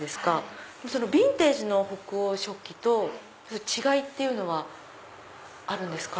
ヴィンテージの北欧食器と違いっていうのはあるんですか？